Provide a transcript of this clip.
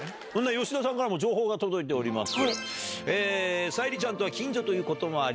吉田さんからも情報が届いております。